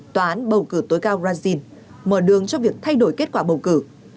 tòa án bầu cử tối cao brazil mở đường cho việc thay đổi kết quả bầu cử